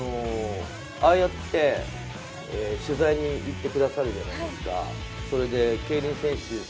ああやって取材に行ってくれるじゃないですか。